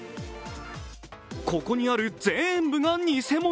ここにある全部が偽物！